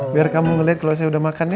biar kamu ngeliat kalau saya udah makan ya